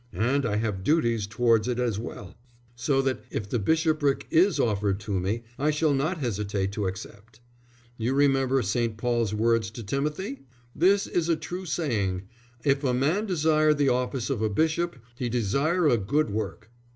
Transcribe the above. And I have duties towards it as well, so that if the bishopric is offered to me I shall not hesitate to accept. You remember St. Paul's words to Timothy? _This is a true saying, if a man desire the office of a bishop he desireth a good work.